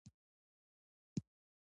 ازادي راډیو د سوداګري اړوند مرکې کړي.